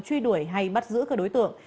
truy đuổi hay bắt giữ các đối tượng